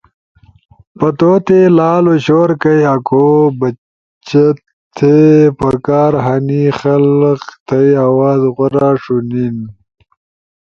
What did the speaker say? پدتو تے لالو شور کئی آکو بچتھے۔ پکار ہنی خلق تھئی آواز غورا ݜُونین۔